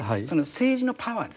政治のパワーです。